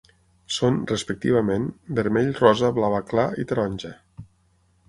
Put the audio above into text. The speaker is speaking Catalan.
Són, respectivament, vermell, rosa, blava clar i taronja.